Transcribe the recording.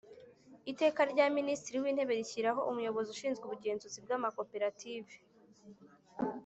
Iteka rya Minisitiri w Intebe rishyiraho Umuyobozi ushinzwe ubugenzuzi bw amakoperative